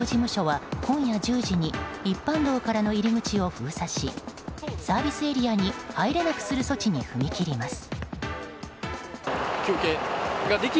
相乗り駐車が後を絶たない中姫路河川国道事務所は今夜１０時に一般道からの入り口を封鎖しサービスエリアに入れなくする措置に踏み切りました。